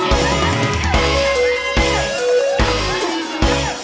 โอ้โอ้โอ้โอ้